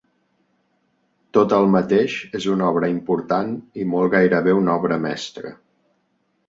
Tot el mateix és una obra important i molt gairebé una obra mestra...